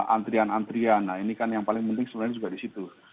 antrian antrian yang paling pentingnya sebenarnya juga di situ